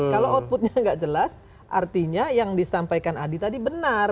kalau outputnya nggak jelas artinya yang disampaikan adi tadi benar